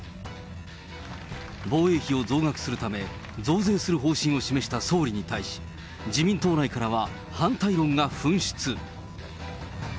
防衛費を増額するため、増税する方針を示した総理に対し、自民党内からは反対論が噴出。